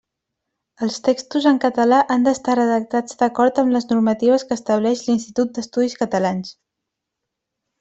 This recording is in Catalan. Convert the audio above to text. Els textos en català han d'estar redactats d'acord amb les normatives que estableix l'Institut d'Estudis Catalans.